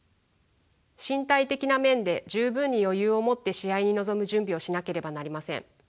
身体的な面で十分に余裕をもって試合に臨む準備をしなければなりません。